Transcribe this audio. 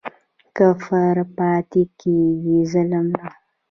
کفر پاتی کیږي ظلم نه